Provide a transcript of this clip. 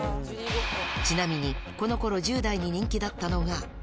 ちなみにこのころ、１０代に人気だったのが。